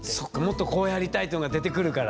「もっとこうやりたい」ってのが出てくるから。